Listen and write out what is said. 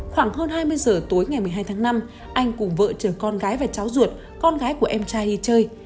khoảng hơn hai mươi giờ tối ngày một mươi hai tháng năm anh cùng vợ chồng con gái và cháu ruột con gái của em trai đi chơi